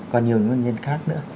còn nhiều nguyên nhân khác nữa